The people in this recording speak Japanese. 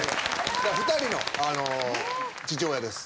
２人の父親です。